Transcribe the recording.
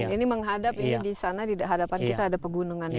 ini menghadap ini di sana di hadapan kita ada pegunungannya